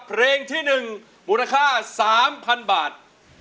เพลงที่๑มูลค่า๓๐๐๐บาท